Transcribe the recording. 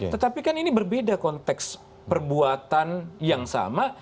tetapi kan ini berbeda konteks perbuatan yang sama